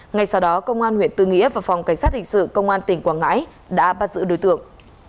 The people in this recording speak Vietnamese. ngay sau đó công an huyện tư nghĩa và phòng cảnh sát hình sự công an tỉnh quảng ngãi đã bắt giữ đối tượng